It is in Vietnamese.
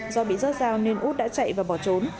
do bị rớt dao nên út đã chạy và bỏ trốn